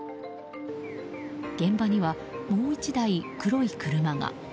現場には、もう１台黒い車が。